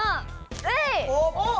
えい！